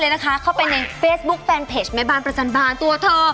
เข้าไปในเฟซบุ๊คแฟนเพจแม่บ้านประจันบานตัวเธอ